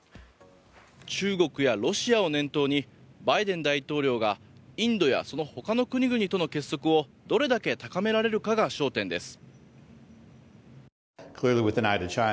中国やロシアを念頭にバイデン大統領がインドやそのほかの国々との結束をどれだけ高められるかが焦点です。